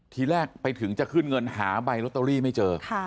ทีแรกไปถึงจะขึ้นเงินหาใบลอตเตอรี่ไม่เจอ